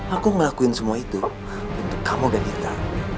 aku ngelakuin semua itu untuk kamu dan ita